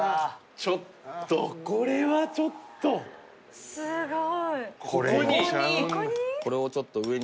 ちょっとこれはちょっとすごいここに！？